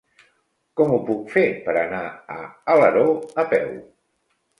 Com ho puc fer per anar a Alaró a peu?